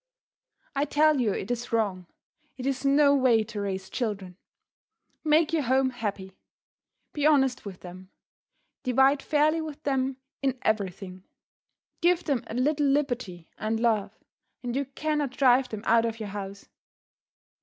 I tell you it is wrong; it is no way to raise children! Make your home happy. Be honest with them. Divide fairly with them in everything. Give them a little liberty and love, and you can not drive them out of your house.